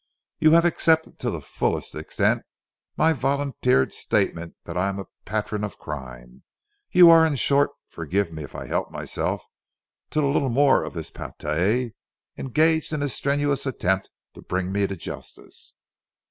You have accepted to the fullest extent my volunteered statement that I am a patron of crime. You are, in short forgive me if I help myself to a little more of this pâté engaged in a strenuous attempt to bring me to justice."